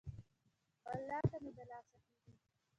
ولاکه مې د لاسه کیږي.